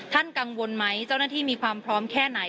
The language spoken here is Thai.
กังวลไหมเจ้าหน้าที่มีความพร้อมแค่ไหน